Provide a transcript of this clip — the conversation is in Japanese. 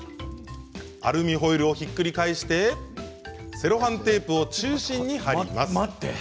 アルミホイルをひっくり返しセロハンテープを中心に貼ります。